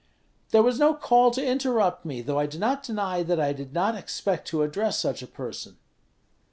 "There was no call to interrupt me; though I do not deny that I did not expect to address such a person."